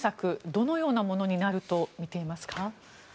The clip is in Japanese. どのようなものになると見ていますか？